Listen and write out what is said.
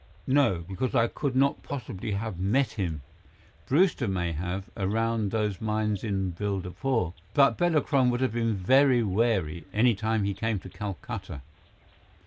"No, because I could not possibly have met him. Brewster may have, around those mines in Bildapore, but Bela Kron would have been very wary, any time he came to Calcutta."